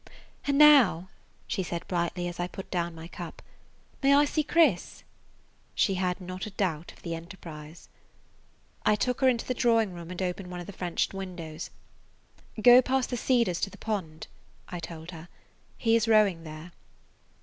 "And now," she said brightly as I put [Page 114] down my cup, "may I see Chris?" She had not a doubt of the enterprise. I took her into the drawing room and opened one of the French windows. "Go past the cedars to the pond," I told her. "He is rowing there."